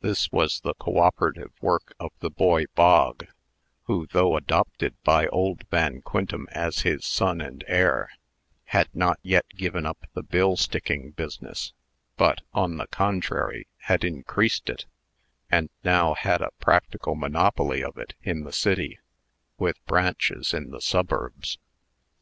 This was the coöperative work of the boy Bog, who, though adopted by old Van Quintem as his son and heir, had not yet given up the bill sticking business, but, on the contrary, had increased it, and now had a practical monopoly of it in the city, with branches in the suburbs.